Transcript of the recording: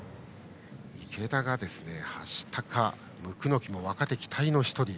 池田が橋高と椋木も若手期待の１人。